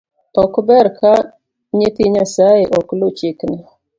Ok ber ka nyithii nyasae ok lu chikne.